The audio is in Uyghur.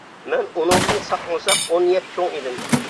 مەن ئۇنىڭدىن ساقمۇ ساق ئون ياش چوڭ ئىدىم.